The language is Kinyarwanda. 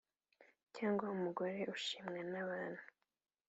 cyangwa umugore ushimwa n’abantu.